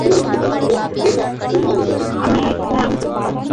হ্যাঁ, আমি বুঝতে পারছি।